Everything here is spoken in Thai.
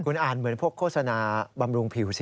คุณอ่านเหมือนพวกโฆษณาบำรุงผิวสิ